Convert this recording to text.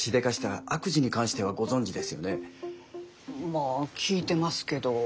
まあ聞いてますけど。